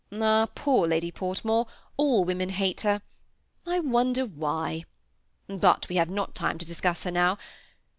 " Ah 1 poor Lady Portmore, all women hate her. I wonder why ? but we have not time to discuss her now.